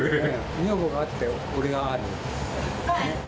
女房があって俺がある。